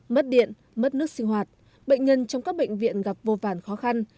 mất điện mất nước sinh hoạt bệnh nhân trong các bệnh viện gặp vô vàn khó khăn